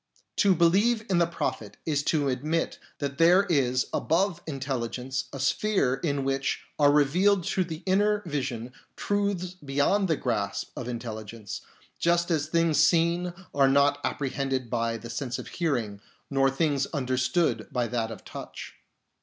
To believe in the Prophet is to admit that there is above intelligence a sphere in which are revealed to the inner vision truths beyond the grasp of intelli gence, just as things seen are not apprehended by the sense of hearing, nor things understood by that of touch.